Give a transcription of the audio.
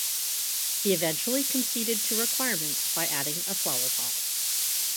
He eventually conceded to requirements by adding a flowerpot.